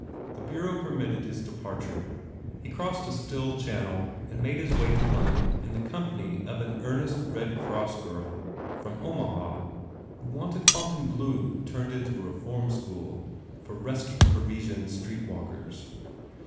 The bureau permitted his departure. He crossed a still Channel and made his way to London in the company of an earnest Red Cross girl from Omaha who wanted Fontainebleau turned into a reform school for rescued Parisian street walk ers.